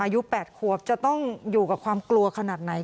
อายุ๘ขวบจะต้องอยู่กับความกลัวขนาดไหน